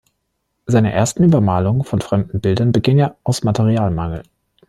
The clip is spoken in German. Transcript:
Seine ersten Übermalungen von fremden Bildern beging er aus Materialmangel.